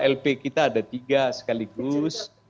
lp kita ada tiga sekaligus